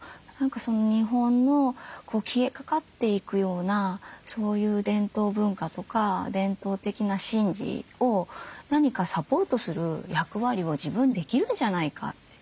日本の消えかかっていくようなそういう伝統文化とか伝統的な神事を何かサポートする役割を自分できるんじゃないかって。